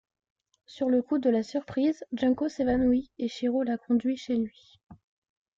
Sur le coup de la surprise, Junko s'évanouit et Shiro la conduit chez lui.